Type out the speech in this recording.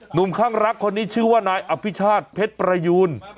หนุ่มข้างรักคนนี้ชื่อว่านายอภิชาติเพชรประยูน